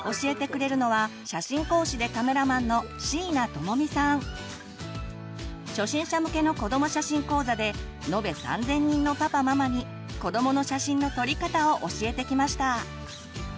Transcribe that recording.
教えてくれるのは初心者向けの子ども写真講座で延べ３，０００人のパパママに子どもの写真の撮り方を教えてきました。